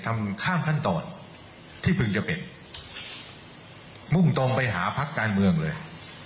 มุ่งตรงไปหาพักการเมืองเลย